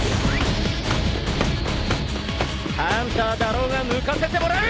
ハンターだろうが抜かせてもらう！